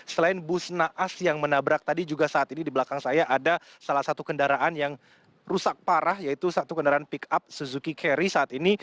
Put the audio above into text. selain bus naas yang menabrak tadi juga saat ini di belakang saya ada salah satu kendaraan yang rusak parah yaitu satu kendaraan pick up suzuki carry saat ini